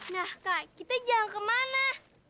nah kak kita jauh kemana